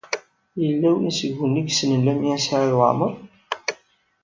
Yella win seg-nwen ay yessnen Lyamin n Saɛid Waɛmeṛ?